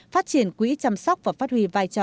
phát triển quỹ chăm sóc và phát huy vai trò